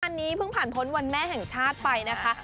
อันนี้เพิ่งผ่านพ้นวันแม่แห่งชาติไปนะคะ